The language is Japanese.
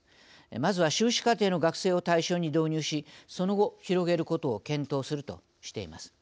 まずは修士課程の学生を対象に導入しその後、広げることを検討するとしています。